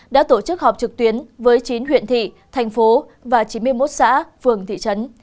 đã tổ chức họp trực tuyến với chín huyện thị thành phố và chín mươi một xã phường thị trấn